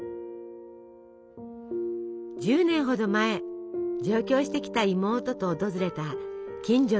１０年ほど前上京してきた妹と訪れた近所の洋菓子店でのこと。